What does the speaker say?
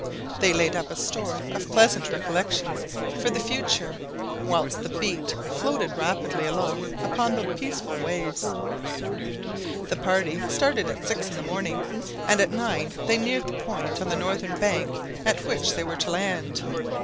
They laid up a store of pleasant recollections for the future whilst the beat floated rapidly along upon the peaceful waves. The party started at six in the morning, and at nine they neared the point on the northern bank at which they were to land.